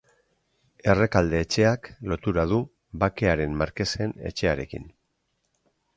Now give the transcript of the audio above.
Errekalde etxeak lotura du Bakearen Markesen etxearekin.